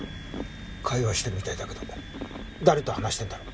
会話してるみたいだけど誰と話してんだろう？